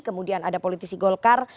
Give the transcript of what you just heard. kemudian ada politisi golkar